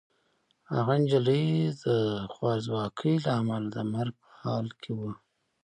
هغه نجلۍ د خوارځواکۍ له امله د مرګ په حال کې وه.